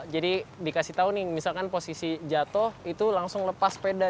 jadi dikasih tahu nih misalkan posisi jatuh itu langsung lepas sepeda